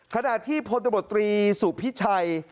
ขณะที่พลตบตรีสุพิชัย